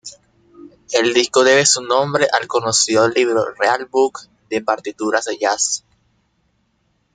El disco debe su nombre al conocido libro "Real Book" de partituras de Jazz.